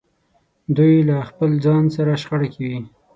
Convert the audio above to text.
دوی له خپل ځان سره شخړه کې وي.